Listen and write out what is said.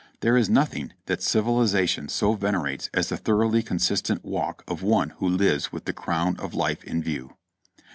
There is nothing that civilization so venerates as a thoroughly consistent walk of one who lives with the "crown of life in view."